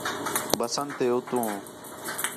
بسنت تے اُتّوں